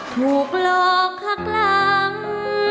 ถูกหลอกหักหลัง